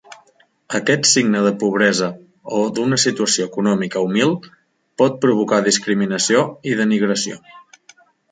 Aquest signe de pobresa o d'una situació econòmica humil pot provocar discriminació i denigració.